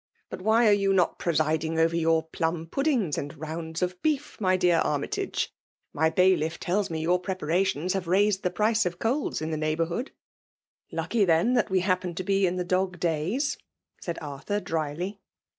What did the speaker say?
But why are you not presiding over your plum puddings and vouilds of beef, my dear Army tage ? My bailiff tM» me your preparations have raised th^ price of coals in the neighbourhood." *' Lucky, then, that we happen to be in the dog days/' saad Arthur, drily.